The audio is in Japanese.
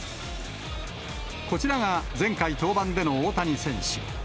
こちらが、前回登板での大谷選手。